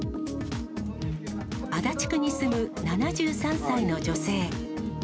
足立区に住む７３歳の女性。